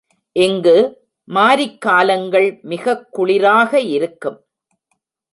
இங்கு மாரிக் காலங்கள் மிகக் குளிராக இருக்கும்.